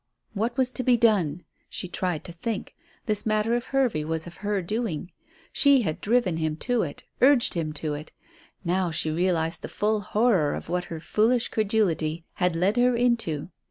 What was to be done? She tried to think. This matter of Hervey was of her doing. She had driven him to it; urged him to it. Now she realized the full horror of what her foolish credulity had led her into.